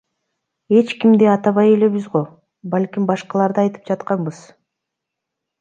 Эч кимди атабай элебиз го, балким башкаларды айтып жатканбыз.